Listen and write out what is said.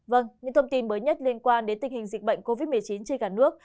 vâng những thông tin mới nhất liên quan đến tình hình dịch bệnh covid một mươi chín trên cả nước